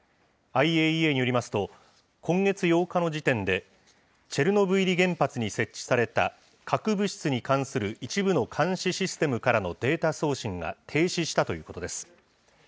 ＩＡＥＡによりますと、今月８日の時点で、チェルノブイリ原発に設置された核物質に関する一部の監視システムからのデータ送信が停止したということです。